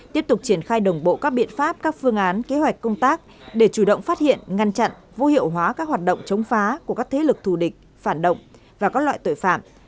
tiếp tục triển khai đồng bộ các biện pháp các phương án kế hoạch công tác để chủ động phát hiện ngăn chặn vô hiệu hóa các hoạt động chống phá của các thế lực thù địch phản động và các loại tội phạm